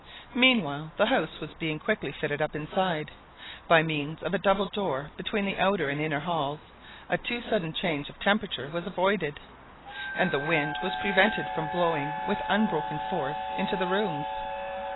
Meanwhile the house was being quickly fitted up inside. By means of a double door between the outer and inner halls a too sudden change of temperature was avoided, and the wind was prevented from blowing with unbroken force into the rooms.